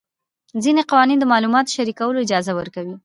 ځینې قوانین د معلوماتو شریکولو اجازه ورکوي.